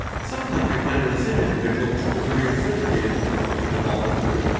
Sometimes we find in the same individual two of the reasons indicated or even all the three.